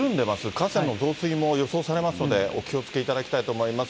河川の増水も予想されますので、お気をつけいただきたいと思います。